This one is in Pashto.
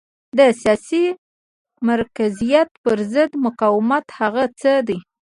د سیاسي مرکزیت پرضد مقاومت هغه څه دي.